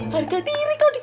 harga diri interesting